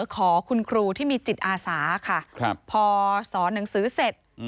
ขอคุณครูที่มีจิตอาสาค่ะพอสอนหนังสือเสร็จ